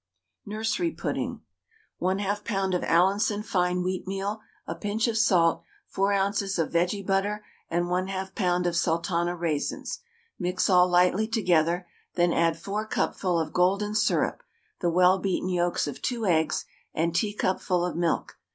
NURSERY PUDDING. 1/2 lb. of Allinson fine wheatmeal, a pinch of salt, 4 oz. of vege butter, and 1/2 lb. of sultana raisins. Mix all lightly together, then add 4 cupful of golden syrup, the well beaten yolks of 2 eggs, and teacupful of milk.